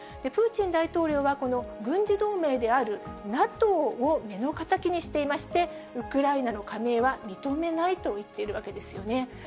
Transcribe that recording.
プーチン大統領は、この軍事同盟であるＮＡＴＯを目の敵にしていまして、ウクライナの加盟は認めないと言っているわけですよね。